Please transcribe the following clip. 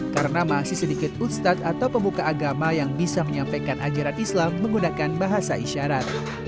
karena masih sedikit ustadz atau pembuka agama yang bisa menyampaikan ajaran islam menggunakan bahasa isyarat